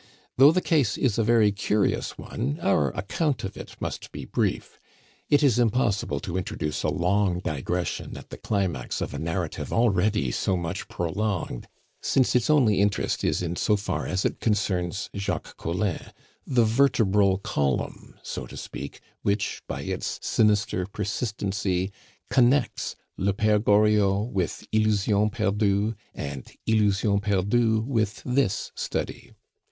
Though the case is a very curious one, our account of it must be brief. It is impossible to introduce a long digression at the climax of a narrative already so much prolonged, since its only interest is in so far as it concerns Jacques Collin, the vertebral column, so to speak, which, by its sinister persistency, connects Le Pere Goriot with Illusions perdues, and Illusions perdues with this Study.